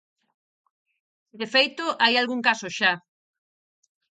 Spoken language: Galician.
De feito hai algún caso xa.